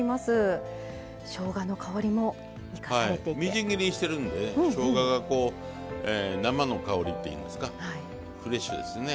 みじん切りにしてるんでしょうががこう生の香りっていうんですかフレッシュですね。